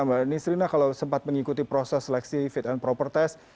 mbak nisrina kalau sempat mengikuti proses seleksi fit and proper test